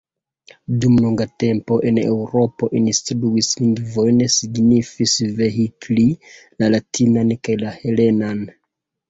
Dum longa tempo en Eŭropo instrui lingvojn signifis vehikli la latinan kaj la helenan.